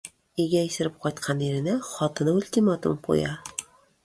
Өйгә исереп кайткан иренә хатыны ультиматум куя